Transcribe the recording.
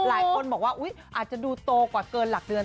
หลายคนบอกว่าอาจจะดูโตกว่าเกินหลักเดือน